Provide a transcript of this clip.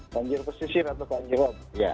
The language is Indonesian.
banjir pesisir atau banjirrop ya